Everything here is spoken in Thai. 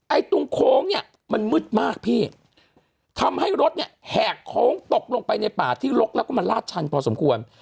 ตรงโค้งเนี่ยมันมืดมากพี่ทำให้รถเนี่ยแหกโค้งตกลงไปในป่าที่ลกแล้วก็มันลาดชันพอสมควร